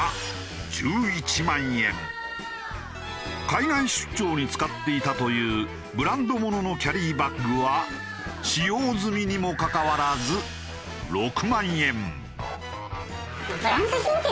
海外出張に使っていたというブランドもののキャリーバッグは使用済みにもかかわらず６万円。